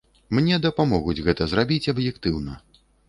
Мне дапамогуць гэта зрабіць аб'ектыўна.